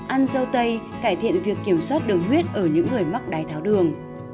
ăn dâu tây cải thiện việc kiểm soát đường huyết ở những người mắc đái tháo đường